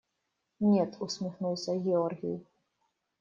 – Нет, – усмехнулся Георгий.